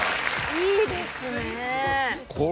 いいですね。